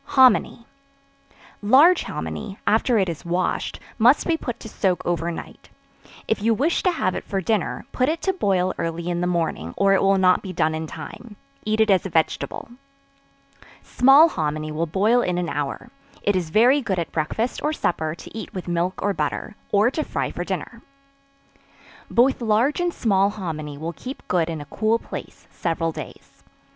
Hominy. Large hominy, after it is washed; must be put to soak over night; if you wish to have it for dinner, put it to boil early in the morning, or it will not be done in time; eat it as a vegetable. Small hominy will boil in an hour; it is very good at breakfast or supper to eat with milk or butter, or to fry for dinner. Both large and small hominy will keep good in a cool place several days.